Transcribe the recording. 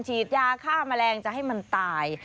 ฉีดยาฆ่าแมลงจะให้มันตาย